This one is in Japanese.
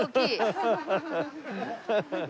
ハハハハ。